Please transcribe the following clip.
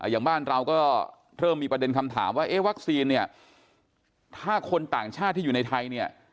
อย่างบ้านเราก็เริ่มมีประเด็นคำถามว่าเอ๊ะวัคซีนเนี่ยถ้าคนต่างชาติที่อยู่ในไทยเนี่ย